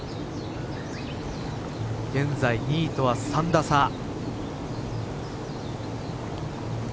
現在２位とは３打差。